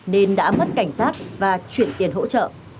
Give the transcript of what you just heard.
nên đã mất cảnh sát và chuyển tiền hỗ trợ